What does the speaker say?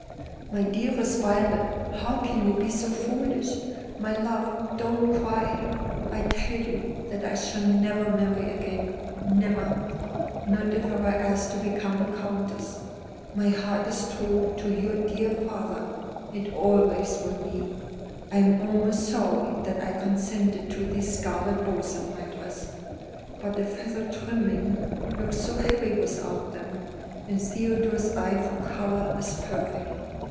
"My dearest Violet, how can you be so foolish? My love, don't cry. I tell you that I shall never marry again never. Not if I were asked to become a countess. My heart is true to your dear father; it always will be. I am almost sorry that I consented to these scarlet bows on my dress, but the feather trimming looked so heavy without them, and Theodore's eye for colour is perfect.